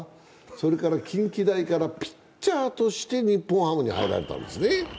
それから近畿大からピッチャーとして日本ハムに入られたんですね。